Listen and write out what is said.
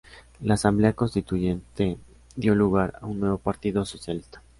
La Asamblea Constituyente dio lugar a un nuevo Partido Socialista.